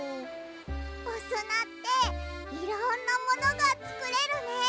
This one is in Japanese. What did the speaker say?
おすなっていろんなものがつくれるね！